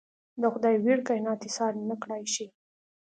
د خدای ویړ کاینات ایسار نکړای شي.